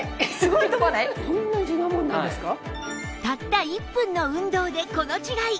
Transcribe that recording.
たった１分の運動でこの違い